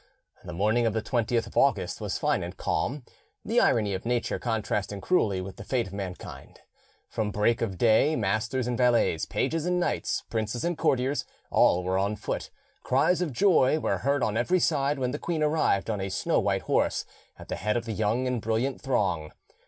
The morning of the 20th of August was fine and calm—the irony of nature contrasting cruelly with the fate of mankind. From break of day masters and valets, pages and knights, princes and courtiers, all were on foot; cries of joy were heard on every side when the queen arrived on a snow white horse, at the head of the young and brilliant throng.